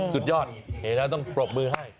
สุดยอดฮีน้าต้องปรบมือให้